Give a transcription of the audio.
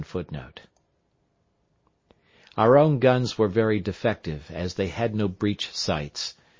Our own guns were very defective, as they had no breech sights.